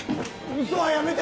嘘はやめて